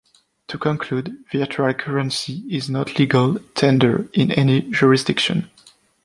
To conclude, virtual currency is not legal tender in any jurisdiction.